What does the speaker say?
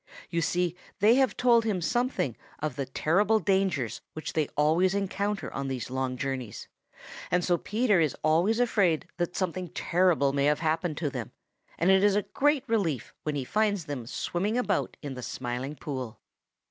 You see they have told him something of the terrible dangers which they always encounter on these long journeys, and so Peter is always afraid that something terrible may have happened to them, and it is a great relief when he finds them swimming about in the Smiling Pool.